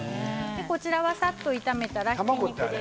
こちらはさっと炒めたらひき肉です。